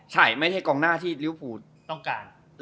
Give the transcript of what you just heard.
ใช่ไม่ใช่กองหน้าที่ริวฟูต้องการ